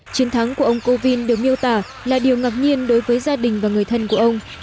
chiến thắng của ông kovind được miêu tả là điều ngạc nhiên đối với gia đình và người thân của ông